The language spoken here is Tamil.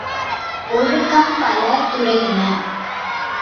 ஒழுக்கம் பல துறையின.